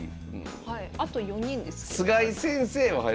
あと４人ですけど。